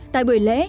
tại buổi lễ